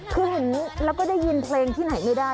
คืออย่างนี้แล้วก็ได้ยินเพลงที่ไหนไม่ได้